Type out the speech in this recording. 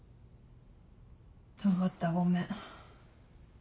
分かったごめん。